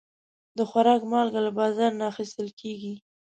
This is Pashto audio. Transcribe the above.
د خوراک مالګه له بازار نه اخیستل کېږي.